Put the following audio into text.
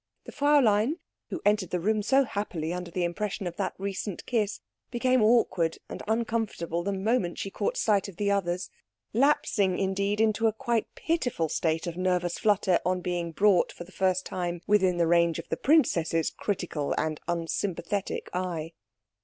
The Fräulein, who entered the room so happily under the impression of that recent kiss, became awkward and uncomfortable the moment she caught sight of the others; lapsing, indeed, into a quite pitiful state of nervous flutter on being brought for the first time within the range of the princess's critical and unsympathetic eye.